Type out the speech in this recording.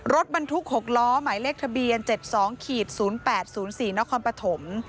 รถบรรทุก๖ล้อหมายเลขทะเบียน๗๒๐๘๐๔นครปฐม